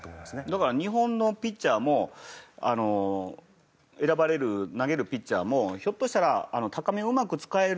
だから日本のピッチャーも選ばれる投げるピッチャーもひょっとしたら高めをうまく使えるストレート系を持ってるピッチャーが